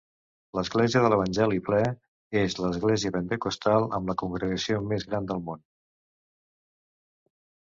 L'Església de l'Evangeli Ple és l'església pentecostal amb la congregació més gran del món.